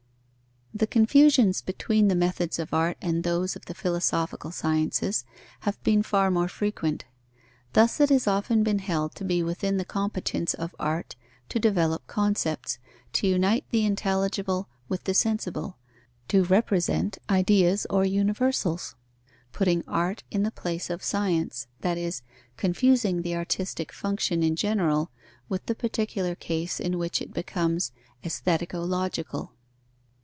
_ The confusions between the methods of art and those of the philosophical sciences have been far more frequent. Thus it has often been held to be within the competence of art to develop concepts, to unite the intelligible with the sensible, to represent ideas or universals, putting art in the place of science, that is, confusing the artistic function in general with the particular case in which it becomes aesthetico logical.